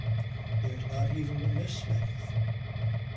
There's not even a Miss Smith."